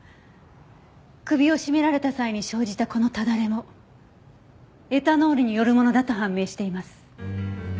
首を絞められた際に生じたこのただれもエタノールによるものだと判明しています。